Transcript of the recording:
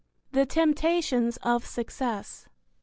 THE TEMPTATIONS OF SUCCESS.